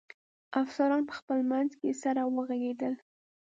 افسران په خپل منځ کې سره و غږېدل.